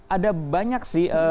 ada banyak sih